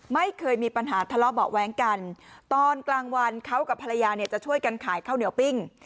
ไม่เคยมีปัญหาทะเลาะเบาะแว้งกันตอนกลางวันเขากับภรรยาเนี่ยจะช่วยกันขายข้าวเหนียวปิ้ง